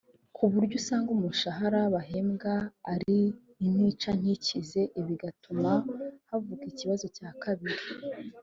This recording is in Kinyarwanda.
kuburyo usanga umushahara bahembwa ari intica ntikize ibi bigatuma havuka ikibazo cya kabiri